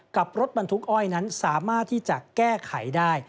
กับรถบรรทุกอ้อยนั้นสามารถที่จะแก้ไขได้